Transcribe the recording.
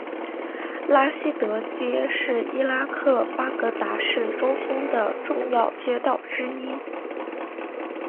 拉希德街是伊拉克巴格达市中心的重要街道之一。